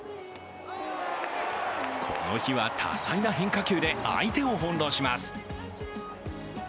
この日は多彩な変化球で相手を翻弄します。